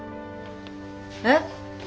えっ。